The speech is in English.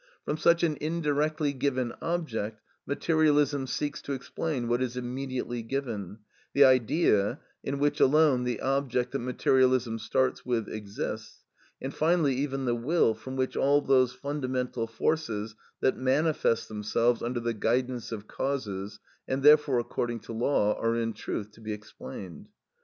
From such an indirectly given object, materialism seeks to explain what is immediately given, the idea (in which alone the object that materialism starts with exists), and finally even the will from which all those fundamental forces, that manifest themselves, under the guidance of causes, and therefore according to law, are in truth to be explained.